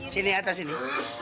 sini atas ini